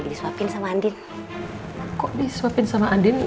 waktunya pating durian